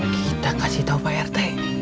kita kasih tahu pak rt